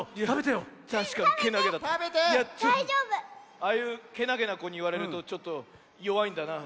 ああいうけなげなこにいわれるとちょっとよわいんだな。